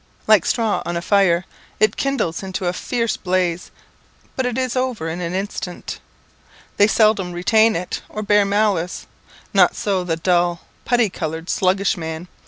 Like straw on a fire, it kindles into a fierce blaze, but it is over in an instant. They seldom retain it, or bear malice. Not so the dull, putty coloured, sluggish man.